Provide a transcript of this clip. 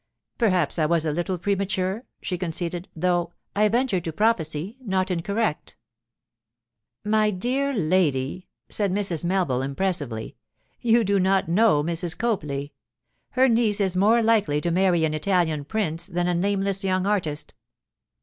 'Perhaps I was a little premature,' she conceded—'though, I venture to prophesy, not incorrect.' 'My dear lady,' said Mrs. Melville impressively, 'you do not know Mrs. Copley. Her niece is more likely to marry an Italian prince than a nameless young artist.